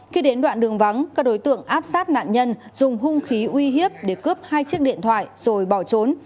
khi đến đoạn đường vắng các đối tượng áp sát nạn nhân dùng hung khí uy hiếp để cướp hai chiếc điện thoại rồi bỏ trốn